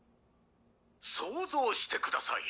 想像してください。